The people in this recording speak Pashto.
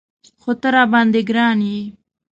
خو ته راباندې ګران یې.